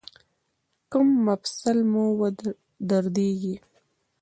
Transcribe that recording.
کوم مفصل مو دردیږي؟